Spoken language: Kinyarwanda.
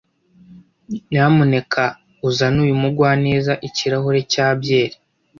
Nyamuneka uzane uyu mugwaneza ikirahure cya byeri.